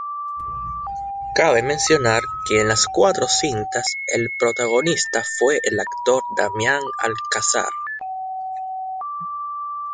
Cabe mencionar que en las cuatro cintas el protagonista fue el actor Damián Alcázar.